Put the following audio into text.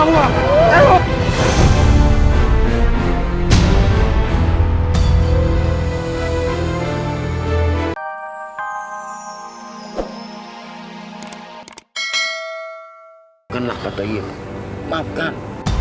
hai kenapa opening maafkan